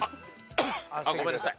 あっごめんなさい。